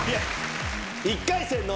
１回戦の。